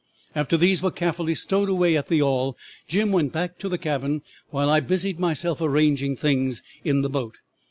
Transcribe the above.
After these were carefully stowed away in the yawl, Jim went back to the cabin, while I busied myself arranging things in the boat.